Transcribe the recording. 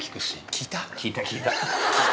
聞いた、聞いた。